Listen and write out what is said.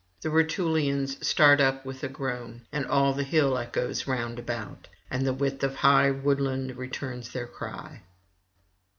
The Rutulians start up with a groan, and all the hill echoes round about, and the width of high woodland returns their cry.